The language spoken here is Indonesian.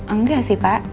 enggak sih pak